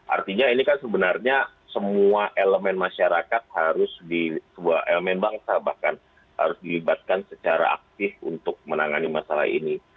artinya ini kan sebenarnya semua elemen masyarakat harus di sebuah elemen bangsa bahkan harus dilibatkan secara aktif untuk menangani masalah ini